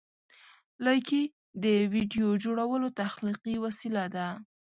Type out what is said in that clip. لایکي د ویډیو جوړولو تخلیقي وسیله ده.